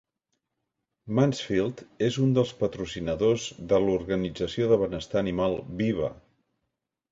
Mansfield és un dels patrocinadors de l'organització de benestar animal Viva!